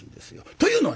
というのはね